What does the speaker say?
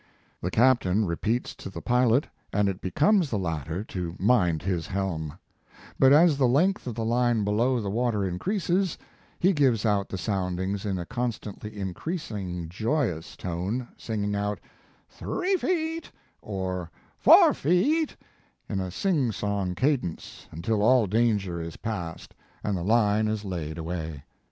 The captain repeats to the pilot, and it becomes the latter to mind his helm; but as the length of the line below the water increases, he gives out the soundings in a constantly increasing joyous tone, singing out, "three feet" or "four feet" in a sing song cadence, until all danger is passed and the line is laid away.